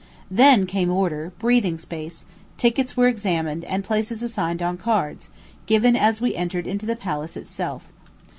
Then came order, breathing space, tickets were examined, and places assigned on cards, given as we entered into the palace itself.